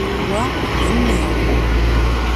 Wa, d mmi.